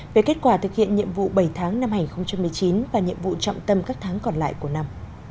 về kết quả thực hiện nhiệm vụ bảy tháng năm hai nghìn một mươi chín và nhiệm vụ trọng tâm các tháng còn lại của năm